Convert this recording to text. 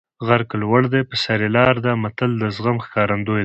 غر که لوړ دی په سر یې لاره ده متل د زغم ښکارندوی دی